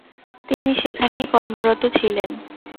তিনি সেখানেই কর্মরত ছিলেন।